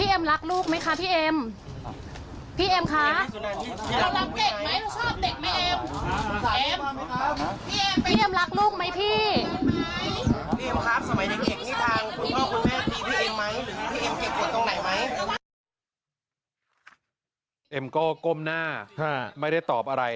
เอ็มก็ก้มหน้าไม่ได้ตอบอะไร